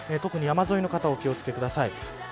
特に山沿いの方お気を付けください。